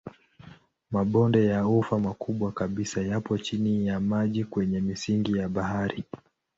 Mabonde ya ufa makubwa kabisa yapo chini ya maji kwenye misingi ya bahari.